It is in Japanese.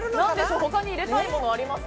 他に入れたいものはありますか？